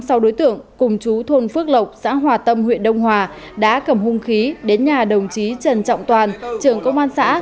sau đối tượng cùng chú thôn phước lộc xã hòa tâm huyện đông hòa đã cầm hung khí đến nhà đồng chí trần trọng toàn trưởng công an xã